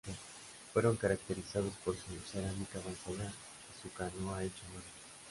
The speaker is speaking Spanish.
Fueron caracterizados por su cerámica avanzada y su canoa hecha a mano.